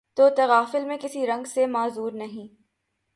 تو تغافل میں کسی رنگ سے معذور نہیں